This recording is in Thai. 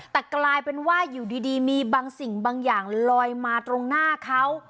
แต่กลายเป็นว่าอยู่ดีมีบางสิ่งบางอย่างลอยมาตรงหน้าเขา